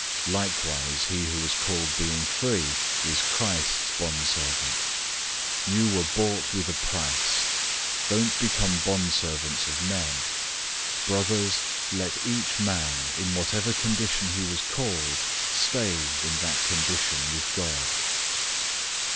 Likewise he who was called being free is Christ's bondservant. 007:023 You were bought with a price. Don't become bondservants of men. 007:024 Brothers, let each man, in whatever condition he was called, stay in that condition with God.